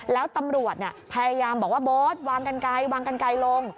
แล้วตำรวจพยายามบอกว่าโบ๊ทวางกันไกลวางกันไกลลง